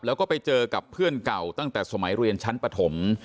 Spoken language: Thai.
แล้วก็ไปเจอกับเพื่อนเก่าตั้งแต่สมัยเรียนชั้นปฐม